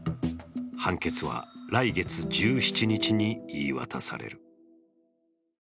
判決は来月１７日に言い渡される。